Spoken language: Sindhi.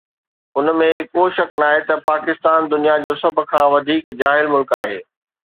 ان ۾ ڪو شڪ ناهي ته پاڪستان دنيا جو سڀ کان وڌيڪ جاهل ملڪ آهي